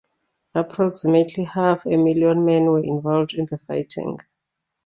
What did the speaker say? Approximately half a million men were involved in the fighting.